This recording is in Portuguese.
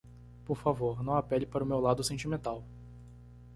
Por favor, não apele para o meu lado sentimental.